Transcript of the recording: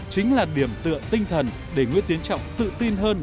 chính là điểm tựa tinh thần để nguyễn tiến trọng tự tin hơn